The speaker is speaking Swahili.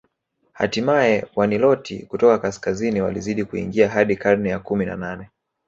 Hatimaye Waniloti kutoka kaskazini walizidi kuingia hadi karne ya kumi na nane